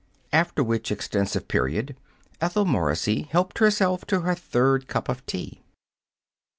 After which extensive period, Ethel Morrissey helped herself to her third cup of tea.